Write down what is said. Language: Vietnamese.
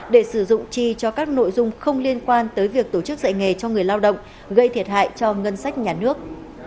để sử dụng chi cho các nội dung không liên quan tới việc tổ chức dạy nghề cho người lao động gây thiệt hại cho ngân sách nhà nước